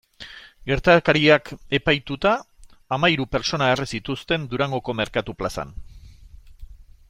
Gertakariak epaituta hamahiru pertsona erre zituzten Durangoko merkatu plazan.